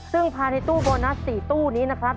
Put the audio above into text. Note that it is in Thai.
ซึ่งภายในตู้โบนัส๔ตู้นี้นะครับ